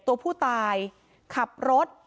ตัวผู้ตายขับรถ